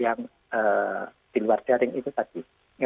yang di luar daring itu tadi